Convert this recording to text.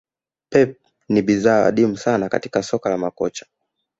Pep ni bidhaa adimu sana katik soko la makocha